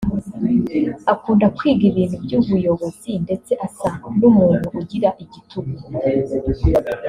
akunda kwiga ibintu by’ubuyobozi ndetse asa n’umuntu ugira igitugu